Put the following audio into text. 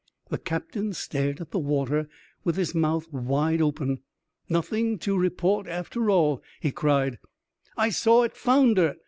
The captain stared at the water, with his mouth wide open. " Nothing to report after all !" he cried. " I saw it founder